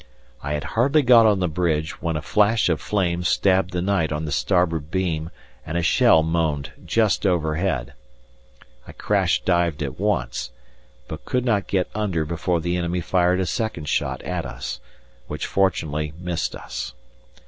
I had hardly got on the bridge, when a flash of flame stabbed the night on the starboard beam and a shell moaned just overhead. I crash dived at once, but could not get under before the enemy fired a second shot at us, which fortunately missed us.